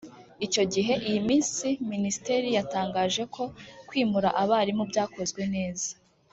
Icyo gihe iyi minsi Minisiteri yatangaje ko kwimura abarimu byakozwe neza